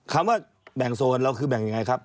คำว่าแบ่งโซนเราคือแบ่งยังไงครับ